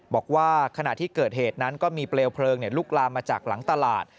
บอกว่าขณะที่เกิดเหตุนั้นก็มีเปลวเพลิงลุกลามมาจากหลังตลาด